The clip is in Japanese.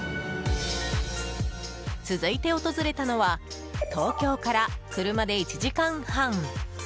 続いて訪れたのは東京から車で１時間半。